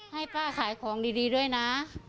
ให้ป้าขายของดีด้วยนะ